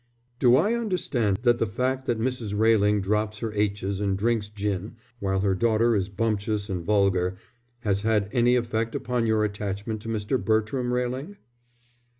"Do I understand that the fact that Mrs. Railing drops her aitches and drinks gin, while her daughter is bumptious and vulgar, has had any effect upon your attachment to Mr. Bertram Railing?"